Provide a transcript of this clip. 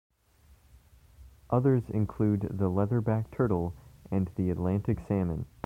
Others include the leatherback turtle and the Atlantic salmon.